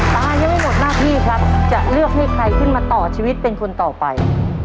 ตายังไม่หมดหน้าที่ครับจะเลือกให้ใครขึ้นมาต่อชีวิตเป็นคนต่อไป